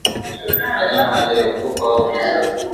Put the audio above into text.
Wanyama waliokufa au Mizoga